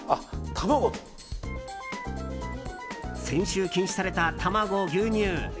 先週禁止された卵、牛乳。